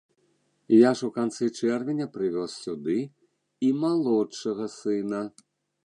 Я ж у канцы чэрвеня прывёз сюды і малодшага сына.